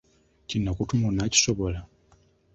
Kye nnaakutuma onookisobola?